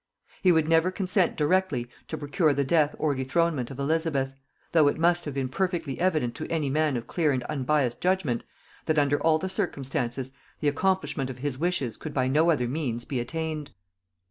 He would never consent directly to procure the death or dethronement of Elizabeth; though it must have been perfectly evident to any man of clear and unbiassed judgement, that, under all the circumstances, the accomplishment of his wishes could by no other means be attained.